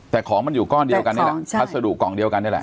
แต่ของมันอยู่ก้อนเดียวกันนี่แหละพัสดุกล่องเดียวกันนี่แหละ